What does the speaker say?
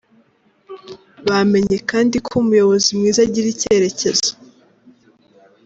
Bamenye kandi ko umuyobozi mwiza agira icyerekezo.